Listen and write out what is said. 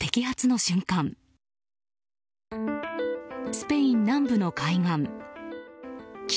スペイン南部の海岸。